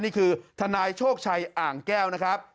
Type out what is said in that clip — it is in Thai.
นี่คือทนายโชคชัยอ่างแก้วนะครับ